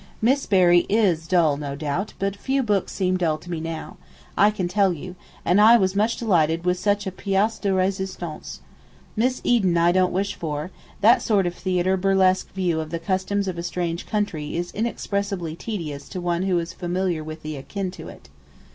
Miss Berry is dull no doubt, but few books seem dull to me now, I can tell you, and I was much delighted with such a pièce de résistance. Miss Eden I don't wish for—that sort of theatre burlesque view of the customs of a strange country is inexpressibly tedious to one who is familiar with one akin to it.